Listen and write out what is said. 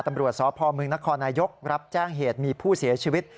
ตำรวจสพมนครนายกรับแจ้งเหตุมีผู้เสียชีวิต